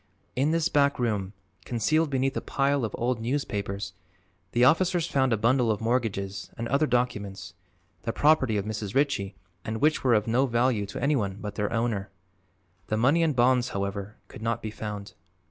In this back room, concealed beneath a pile of old newspapers, the officers found a bundle of mortgages and other documents, the property of Mrs. Ritchie and which were of no value to anyone but their owner. The money and bonds, however, could not be found.